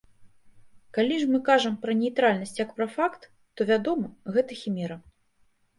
Калі ж мы кажам пра нейтральнасць як пра факт, то, вядома, гэта хімера.